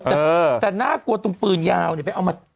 แต่น่ากลัวตรงปืนยาวเนี่ยไปเอามา